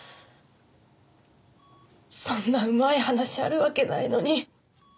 そんなうまい話あるわけないのに。